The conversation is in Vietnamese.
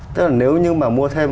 tức là nếu như mà mua thêm